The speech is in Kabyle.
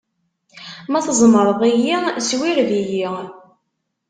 Ma tzemṛeḍ-iyi, swireb-iyi!